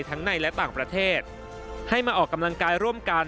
ในและต่างประเทศให้มาออกกำลังกายร่วมกัน